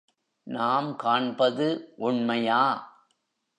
நாம் காண்பது உண்மையா?